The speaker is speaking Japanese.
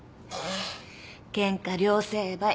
ケンカ両成敗。